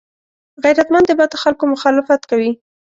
غیرتمند د بدو خلکو مخالفت کوي